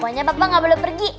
pokoknya papa gak perlu pergi